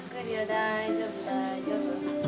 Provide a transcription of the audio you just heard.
大丈夫、大丈夫。